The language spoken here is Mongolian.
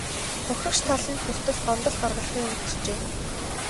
Хохирогч тал нь хүртэл гомдол гаргалгүй өнгөрчээ.